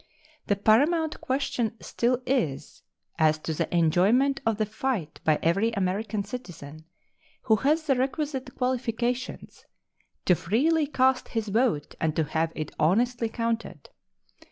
The paramount question still is as to the enjoyment of the fight by every American citizen who has the requisite qualifications to freely cast his vote and to have it honestly counted.